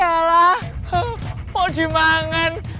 pala oh mau dimangan